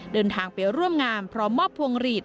เดินทางไปร่วมงานพร้อมมอบพวงหลีด